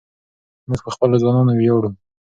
موږ په خپلو ځوانانو ویاړو.